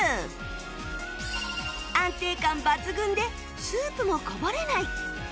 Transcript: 安定感抜群でスープもこぼれない！